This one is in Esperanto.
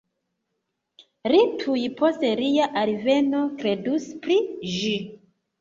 Li tuj post lia alveno kredus pri ĝi